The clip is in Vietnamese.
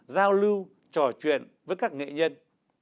giao lưu trò chuyện với các nghệ nhân